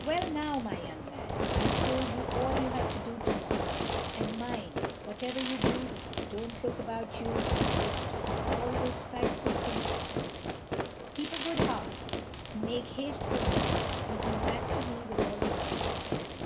Well now, my young man, I have told you all you have to do to morrow; and mind, whatever you do, don't look about you when you see all those frightful things asleep. Keep a good heart, and make haste from there, and come back to me with all the speed you can.